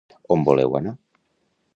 On voleu anar?